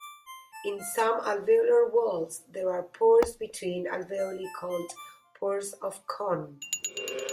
In some alveolar walls there are pores between alveoli called Pores of Kohn.